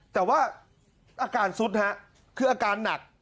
แต่ว่าอาการซุดฮะคืออาการหนัก